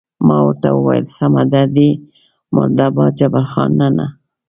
ما ورته وویل: سمه ده، دی مرده باد، جبار خان: نه، نه.